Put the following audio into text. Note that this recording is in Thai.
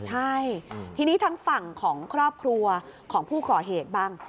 ใช่ทีนี้ทางฝั่งของครอบครัวของผู้ก่อเหตุบ้าง